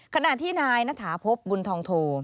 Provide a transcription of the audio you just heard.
ขณะที่นายณฐาพบบุญทองโท